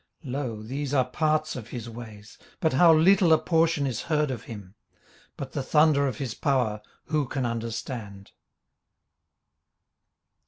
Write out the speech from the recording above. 18:026:014 Lo, these are parts of his ways: but how little a portion is heard of him? but the thunder of his power who can understand?